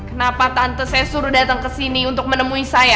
kenapa tante saya suruh datang kesini untuk menemui saya